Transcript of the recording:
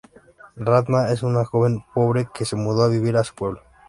Radha es una joven pobre que se muda a vivir a su pueblo.